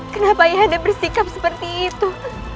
kenapa ayah anda bersikap seperti itu